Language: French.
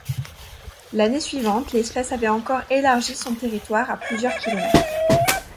L'année suivante, l'espèce avait encore élargi son territoire à plusieurs kilomètres.